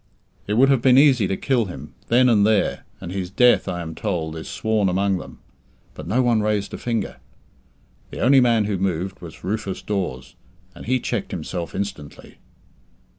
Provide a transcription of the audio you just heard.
It would have been easy to kill him then and there, and his death, I am told, is sworn among them; but no one raised a finger. The only man who moved was Rufus Dawes, and he checked himself instantly.